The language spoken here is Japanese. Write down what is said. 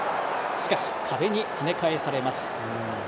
しかし、壁にはね返されます。